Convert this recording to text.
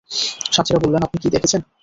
সাথীরা বললেন, আপনি কি দেখেছেন?